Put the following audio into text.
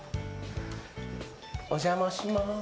お邪魔しまーす。